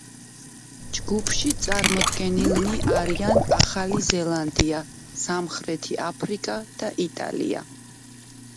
ჯგუფში წარმოდგენილნი არიან ახალი ზელანდია, სამხრეთი აფრიკა და იტალია.